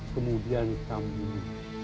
kemudian kamu ini